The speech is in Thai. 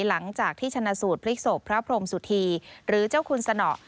หลังจากที่ชนะสูตรพลิกศพพระพรมสุธีหรือเจ้าคุณสนอ